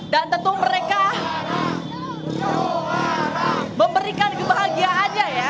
dan tentu mereka memberikan kebahagiaannya ya